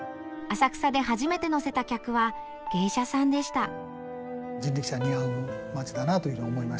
浅草で初めて乗せた客は芸者さんでした。